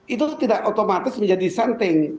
itu tidak otomatis menjadi something